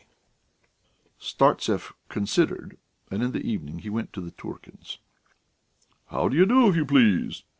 K." Startsev considered, and in the evening he went to the Turkins'. "How do you do, if you please?"